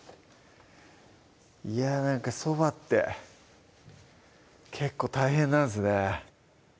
いやなんかそばって結構大変なんですね